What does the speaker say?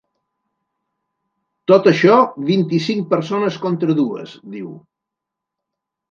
“Tot això vint-i-cinc persones contra dues”, diu.